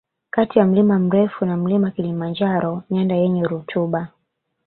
Kati ya mlima Meru na Mlima Kilimanjaro nyanda yenye rutuba